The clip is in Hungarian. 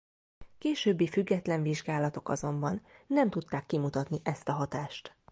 Későbbi független vizsgálatok azonban nem tudták kimutatni ezt a hatást.